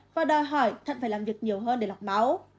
và đòi hỏi thận phải làm việc nhiều hơn để lọc máu